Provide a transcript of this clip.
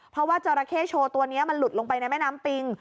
เพราะว่าจราเข้โชว์ตัวนี้มันหลุดลงไปในแม่น้ำปิง